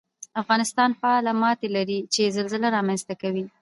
افغانستان فعاله ماتې لري چې زلزلې رامنځته کوي